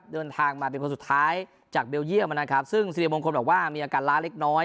เดินทางมาเป็นคนสุดท้ายจากเบลเยี่ยมนะครับซึ่งสิริมงคลบอกว่ามีอาการล้าเล็กน้อย